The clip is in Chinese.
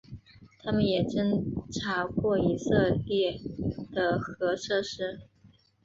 它们也侦察过以色列的核设施。